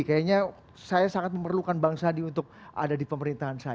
kayaknya saya sangat memerlukan bang sandi untuk ada di pemerintahan saya